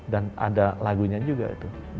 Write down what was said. dan ada lagunya juga itu badai pasti berlalu